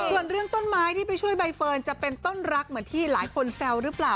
ส่วนเรื่องต้นไม้ที่ไปช่วยใบเฟิร์นจะเป็นต้นรักเหมือนที่หลายคนแซวหรือเปล่า